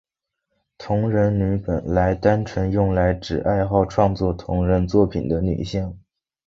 同人女本来单纯用来指爱好创作同人作品的女性。